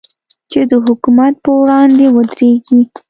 چې د حکومت پر وړاندې ودرېږي.